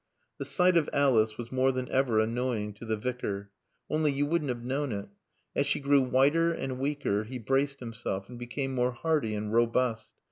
The sight of Alice was more than ever annoying to the Vicar. Only you wouldn't have known it. As she grew whiter and weaker he braced himself, and became more hearty and robust.